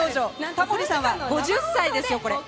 タモリさんは５０歳ですよ。